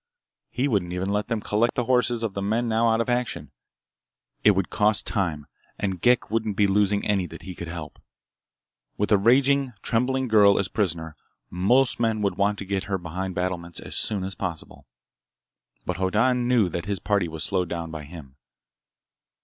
He wouldn't even let them collect the horses of the men now out of action. It would cost time, and Ghek wouldn't be losing any that he could help. With a raging, trembling girl as prisoner, most men would want to get her behind battlements as soon as possible. But Hoddan knew that his party was slowed down by him.